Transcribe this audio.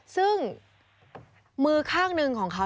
ซึ่งมือข้างหนึ่งของเขา